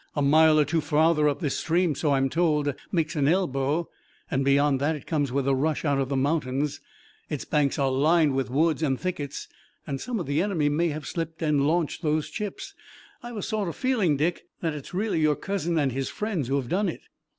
"A mile or two farther up, this stream, so I'm told, makes an elbow, and beyond that it comes with a rush out of the mountains. Its banks are lined with woods and thickets and some of the enemy may have slipped in and launched these chips. I've a sort of feeling, Dick, that it's really your cousin and his friends who have done it."